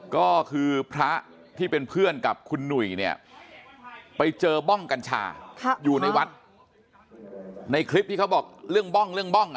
ก็คือพระที่เป็นเพื่อนกับคุณหนุ่ยเนี่ยไปเจอบ้องกัญชาอยู่ในวัดในคลิปที่เขาบอกเรื่องบ้องเรื่องบ้อง